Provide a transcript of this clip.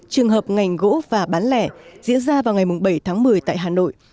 trường hợp ngành gỗ và bán lẻ diễn ra vào ngày bảy tháng một mươi tại hà nội